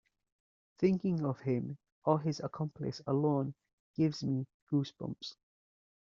Thinking of him or his accomplice alone gives me goose bumps.